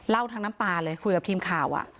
ทั้งน้ำตาเลยคุยกับทีมข่าว